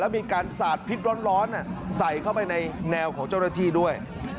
มีการสาดพิษร้อนใส่เข้าไปในแนวของเจ้าหน้าที่ด้วย